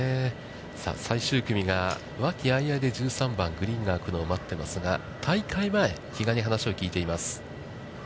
最終組が和気あいあいで１３番、グリーンが空くのを待っていますが、大会前、比嘉に話を聞いています。